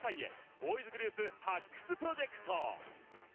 ボーイズグループ発掘プロジェクト。